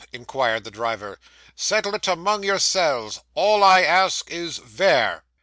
inquired the driver. 'Settle it among yourselves. All I ask is, vere?